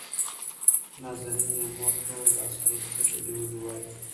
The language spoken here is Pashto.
نازنين يې مور ته وويل دا سړى څه ګډې وډې وايي.